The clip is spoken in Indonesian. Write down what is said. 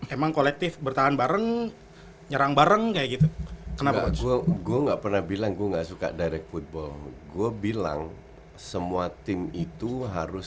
emang kolektif bertahan bareng nyerang bareng kayak gitu kenapa gua pernah bilang gua nggak suka